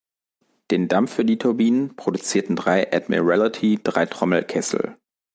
Den Dampf für die Turbinen produzierten drei Admiralty-Dreitrommelkessel.